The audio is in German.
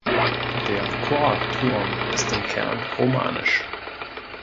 Der Chorturm ist im Kern romanisch.